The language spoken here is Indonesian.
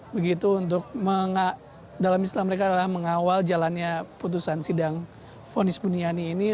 begitu untuk dalam istilah mereka adalah mengawal jalannya putusan sidang fonis buniani ini